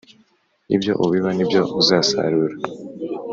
Ibyo ubiba nibyo uzasarura